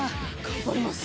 頑張ります。